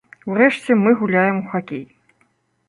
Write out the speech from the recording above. Урэшце, мы гуляем у хакей!